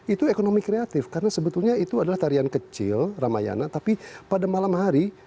itu ekonomi kreatif karena sebetulnya itu adalah tarian kecil ramayana tapi pada malam hari